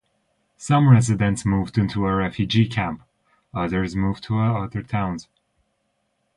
Some residents moved into a refugee camp; others moved to other towns.